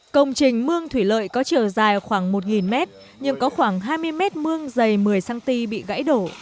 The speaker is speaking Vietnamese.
công trình mương thủy lợi có chiều dài khoảng một mét nhưng có khoảng hai mươi mét mương dày một mươi cm bị gãy đổ